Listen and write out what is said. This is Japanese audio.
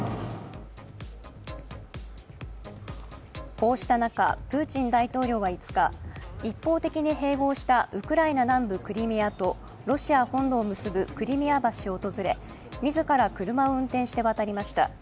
こうした中、プーチン大統領は５日、一方的に併合したウクライナ南部クリミアとロシア本土を結ぶクリミア橋を訪れ自ら車を運転して渡りました。